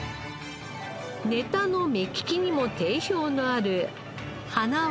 ネタの目利きにも定評のある塙直也さん。